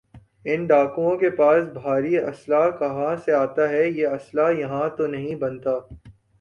ان ڈاکوؤں کے پاس بھاری اسلحہ کہاں سے آتا ہے یہ اسلحہ یہاں تو نہیں بنتا